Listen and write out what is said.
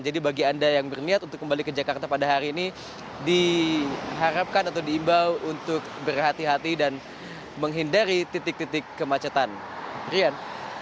jadi bagi anda yang berniat untuk kembali ke jakarta pada hari ini diharapkan atau diimbau untuk berhati hati dan menghindari titik titik kemacetan